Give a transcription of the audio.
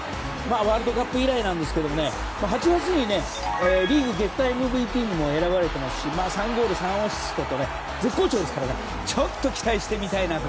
ワールドカップ以来なんですが８月にリーグ月間ＭＶＰにも選ばれていますし３ゴール、３アシストと絶好調ですからちょっと期待して見たいなと。